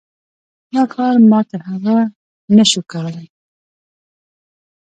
دا کار ما تر هغه نه شو کولی.